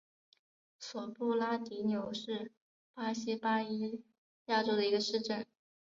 索布拉迪纽是巴西巴伊亚州的一个市镇。